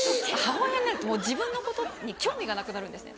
母親になるともう自分のことに興味がなくなるんですね。